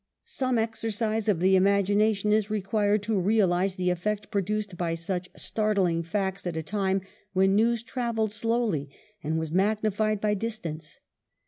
Some exercise of the imagination is required to realise the effect pro duced by such startling facts at a time when news travelled slowly and was magnified by distance.